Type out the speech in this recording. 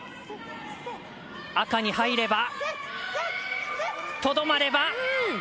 赤に入ればとどまれば。